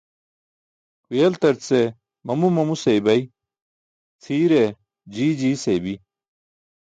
Huyeltarce mamu mamu seybay, cʰiire jii jii seybi.